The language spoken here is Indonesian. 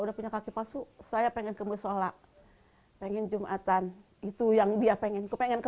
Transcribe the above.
udah punya kaki pasu saya pengen kembali sholat pengen jumatan itu yang dia pengen ke pengen ke